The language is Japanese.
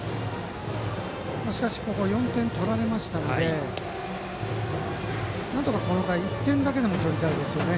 しかし４点取られましたのでなんとかこの回１点だけでも取りたいですね。